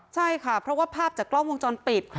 ใช่ค่ะเพราะว่าภาพจากกล้องวงจรปิด